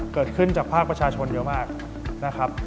เกิดขึ้นจากภาคประชาชนเยอะมากนะครับ